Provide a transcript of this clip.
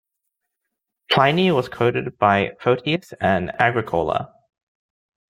Pliny was quoted by Photius and Agricola.